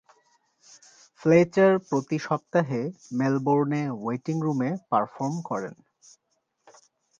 Fletcher প্রতি সপ্তাহে মেলবোর্নে ওয়েটিং রুমে পারফর্ম করেন।